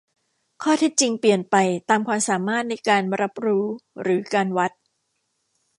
ข้อเท็จจริงเปลี่ยนไปตามความสามารถในการรับรู้หรือการวัด